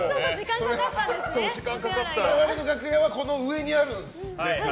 僕らの楽屋はこの上にあるんですよ。